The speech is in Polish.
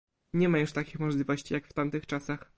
Nie ma już takich możliwości, jak w tamtych czasach